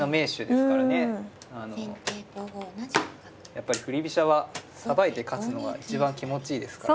やっぱり振り飛車はさばいて勝つのが一番気持ちいいですから。